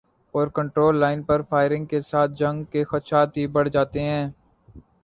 Over control line پر firing کے ساتھ جنگ کے خدشات بھی بڑھ جاتے ہیں۔